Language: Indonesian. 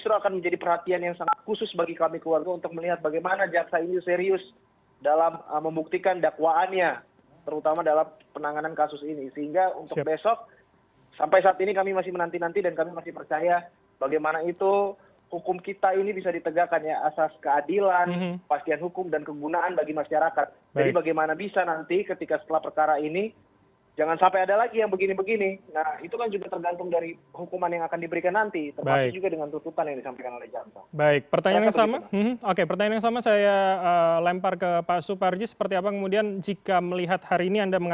dan juga pak yonatan